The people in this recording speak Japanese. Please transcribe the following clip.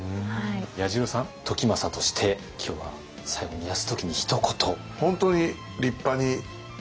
彌十郎さん時政として今日は最後に泰時にひと言。